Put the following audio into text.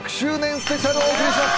スペシャルをお送りします！